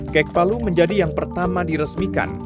kek palu menjadi yang pertama diresmikan